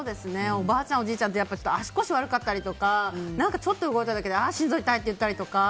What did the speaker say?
おばあちゃん、おじいちゃんって足腰悪かったりとかちょっと動いただけでしんどいとか心臓が痛いとか言ったりとか。